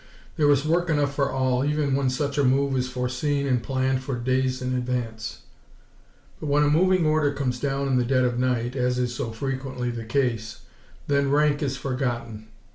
There is work enough for all even when such a move is foreseen and planned for days in advance, but when a moving order comes down in the dead of night as is so frequently the case then rank is forgotten.